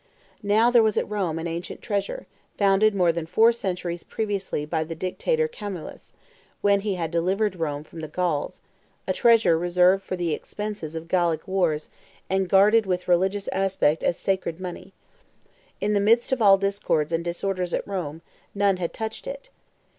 Now there was at Rome an ancient treasure, founded more than four centuries previously by the Dictator Camillus, when he had delivered Rome from the Gauls a treasure reserved for the expenses of Gallic wars, and guarded with religious respect as sacred money. In the midst of all discords and disorders at Rome, none had touched it.